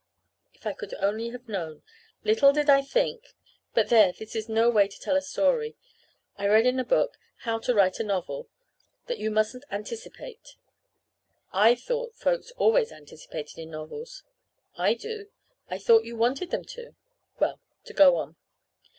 If I could only have known. Little did I think But, there, this is no way to tell a story. I read in a book, "How to Write a Novel," that you mustn't "anticipate." (I thought folks always anticipated novels. I do. I thought you wanted them to.) Well, to go on.